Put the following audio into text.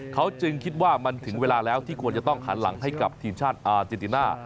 เขาจึงคิดว่ามันถึงเวลาแล้วที่ควรจะต้องหันหลังให้กับทีมชาติอาเจนติน่า